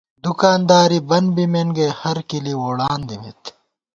دُکانداری بن بِمېن گئ ہر کِلی ووڑان دِمېت